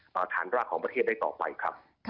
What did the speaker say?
ฐานรากของประเทศได้ต่อไปครับ